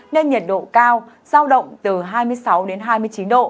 nên nhiệt độ cao giao động từ hai mươi sáu đến hai mươi chín độ